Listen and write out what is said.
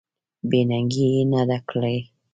بې ننګي یې نه ده کړې.